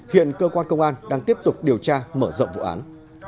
hiện cơ quan công an đang tiếp tục điều tra mở rộng vụ án